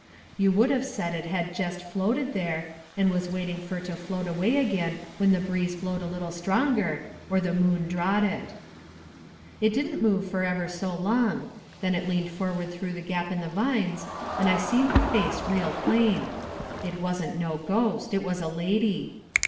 You would of said it had jest floated there, and was waiting fur to float away agin when the breeze blowed a little stronger, or the moon drawed it. It didn't move fur ever so long. Then it leaned forward through the gap in the vines, and I seen the face real plain. It wasn't no ghost, it was a lady.